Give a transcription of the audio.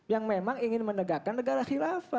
yang memang ingin menegakkan negara khilafah